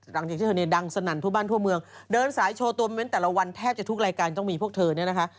หลังจากที่เธอเนี่ยดังสนั่นทั่วบ้านทั่วเมืองเดินสายโชว์ตัวเมนต์แต่ละวันแทบจะทุกรายการต้องมีพวกเธอเนี่ยนะคะ